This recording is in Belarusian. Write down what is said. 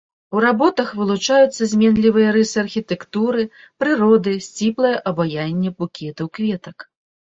У работах вылучаюцца зменлівыя рысы архітэктуры, прыроды, сціплае абаянне букетаў кветак.